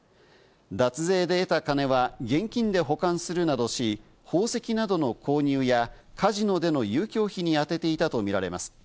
脱税で得た金は現金で保管するなどし、宝石などの購入やカジノでの遊興費に充てていたとみられます。